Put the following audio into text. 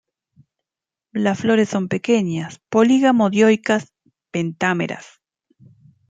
Las flores son pequeñas, polígamo-dioicas, pentámeras.